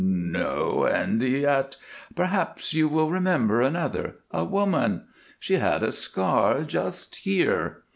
"N no, and yet " "Perhaps you will remember another a woman. She had a scar, just here."